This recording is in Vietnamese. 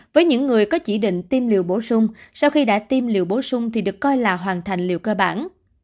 với những người có chỉ định tiêm liều bổ sung sau khi đã tiêm liều bổ sung thì được coi là hoàn thành liệu cơ bản